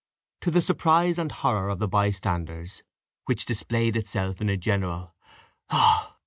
To the surprise and horror of the bystanders, which displayed itself in a general "Ah!"